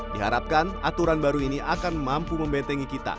diharapkan aturan baru ini akan mampu membentengi kita